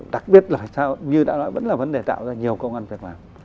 đặc biệt là như đã nói vẫn là vấn đề tạo ra nhiều công an việc làm